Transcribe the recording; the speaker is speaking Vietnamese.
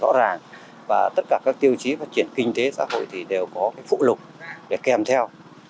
nó rất là rõ ràng và tất cả các tiêu chí phát triển kinh tế xã hội thì đều có phụ lục để kèm theo